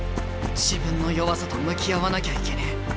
自分の弱さと向き合わなきゃいけねえ。